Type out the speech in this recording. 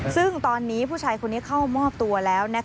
ซึ่งตอนนี้ผู้ชายคนนี้เข้ามอบตัวแล้ว